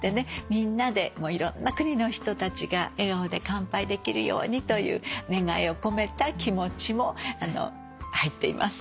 みんなでいろんな国の人たちが笑顔で乾杯できるようにという願いを込めた気持ちも入っています。